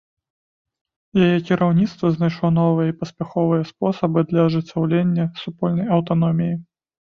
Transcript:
Яе кіраўніцтва знайшло новыя і паспяховыя спосабы для ажыццяўлення супольнай аўтаноміі.